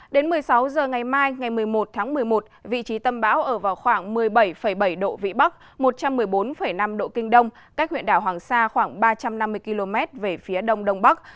đến một mươi sáu h ngày mai ngày một mươi một tháng một mươi một vị trí tâm bão ở vào khoảng một mươi bảy bảy độ vĩ bắc một trăm một mươi bốn năm độ kinh đông cách huyện đảo hoàng sa khoảng ba trăm năm mươi km về phía đông đông bắc